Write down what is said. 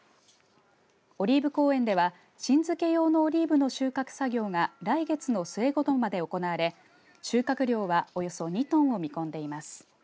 オリーブ公園では新漬け用のオリーブの収穫作業が来月の末ごろまで行われ収穫量はおよそ２トンを見込んでいます。